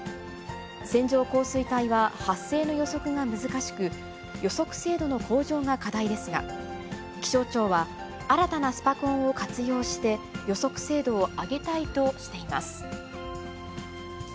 線状降水帯は発生の予測が難しく、予測精度の向上が課題ですが、気象庁は、新たなスパコンを活用して予測精度を上げたいとしています。